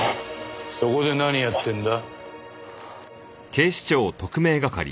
そこで何やってんだ？